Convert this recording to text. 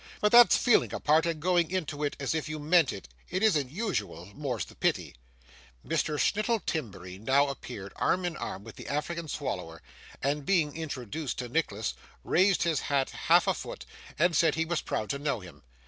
But that's feeling a part and going into it as if you meant it; it isn't usual; more's the pity.' Mr. Snittle Timberry now appeared, arm in arm with the African Swallower, and, being introduced to Nicholas, raised his hat half a foot, and said he was proud to know him.